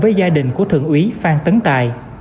với gia đình của thượng ủy phan tấn tài